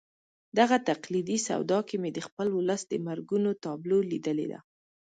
دغه تقلیدي سودا کې مې د خپل ولس د مرګونو تابلو لیدلې ده.